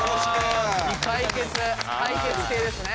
解決系ですね。